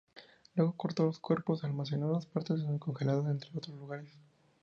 Luego cortó los cuerpos y almacenó las partes en su congelador, entre otros lugares.